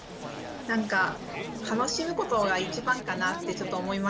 なんか楽しむことが一番かなってちょっと思いました。